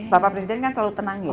bapak presiden kan selalu tenang ya